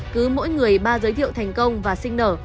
cứ mỗi người ba giới thiệu thành công và sinh nở